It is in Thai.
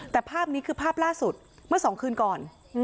แต่ภาพนี้คือภาพล่าสุดเมื่อ๒คืนก่อน